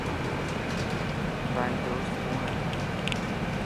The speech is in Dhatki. تائن دوست ڪوڻ هي.